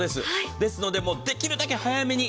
ですので、できるだけ早めに。